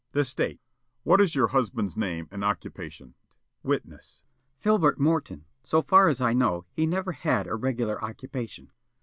The State: "What is your husband's name and occupation?" Witness: "Filbert Morton. So far as I know, he never had a regular occupation."